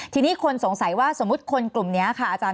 ทีนี้คนสงสัยว่าสมมติว่าคนกลุ่มนี้